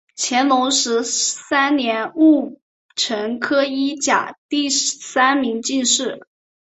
乾隆十三年戊辰科一甲第三名进士。